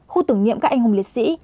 khu tử nghiệm các anh hùng liệt sĩ